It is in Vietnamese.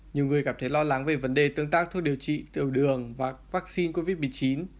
nhiều người cảm thấy lo lắng về vấn đề tương tác thuốc điều trị tiểu đường và vaccine covid một mươi chín